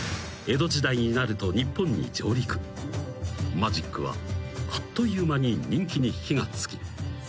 ［マジックはあっという間に人気に火が付き］